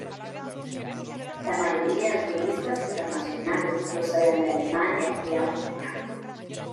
La mayoría de turistas internacionales proceden de Alemania y Austria.